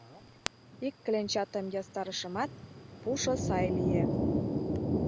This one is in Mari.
Ик кленчатым ястарышымат, пушо сай лие.